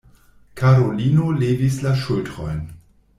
Karolino levis la ŝultrojn.